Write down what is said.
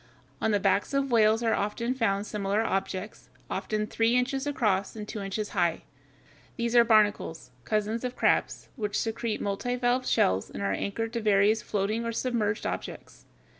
On the backs of whales are found similar objects, often three inches across and two inches high. These are barnacles, cousins of the crabs, which secrete multivalve shells and are anchored to various floating or submerged objects.